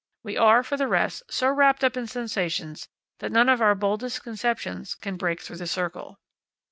We are, for the rest, so wrapped up in sensations that none of our boldest conceptions can break through the circle.